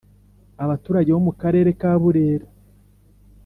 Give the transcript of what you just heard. Abaturage bo mu karere ka burera.